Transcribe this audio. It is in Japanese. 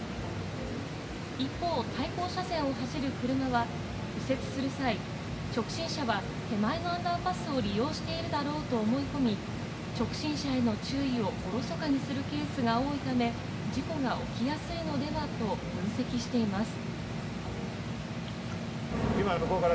一方、対向車線を走る車は右折する際、直進車は手前のアンダーパスを利用しているだろうと思い込み、直進車への注意をおろそかにするケースが多いため、事故が起きやすいのではと分析しています。